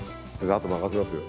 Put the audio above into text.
あと任せますよ。